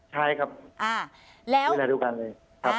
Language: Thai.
ใช่ครับเวลาดูกันเลย